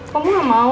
kamu gak mau